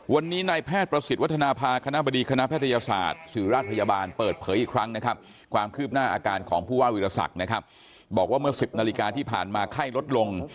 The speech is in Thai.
วันนี้นายแพทย์ประสิทธิ์วัฒนภาคณะบดีคณะแพทยศาสตร์ศิริราชพยาบาลเปิดเผยอีกครั้งนะครับความคืบหน้าอาการของผู้ว่าวิรสักนะครับบอกว่าเมื่อ๑๐นาฬิกาที่ผ่านมาไข้ลดลง